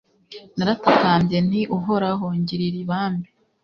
naratakambye nti uhoraho, ngirira ibambe